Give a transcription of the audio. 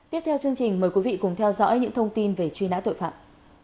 tiếp theo chương trình mời quý vị cùng theo dõi những thông tin về truy nã tội phạm